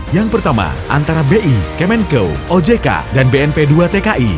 yang pertama antara bi kemenko ojk dan bnp dua tki